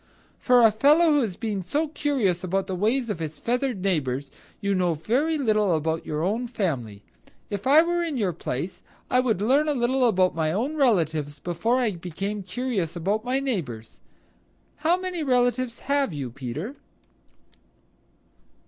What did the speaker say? For a fellow who has been so curious about the ways of his feathered neighbors, you know very little about your own family. If I were in your place I would learn about my own relatives before I became curious about my neighbors. How many relatives have you, Peter?"